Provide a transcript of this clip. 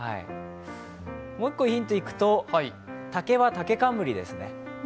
もう１個ヒントをいくと竹は、たけかんむりですね。